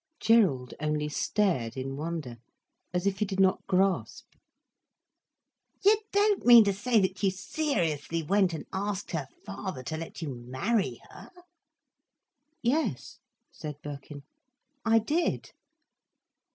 Gerald only stared in wonder, as if he did not grasp. "You don't mean to say that you seriously went and asked her father to let you marry her?" "Yes," said Birkin, "I did."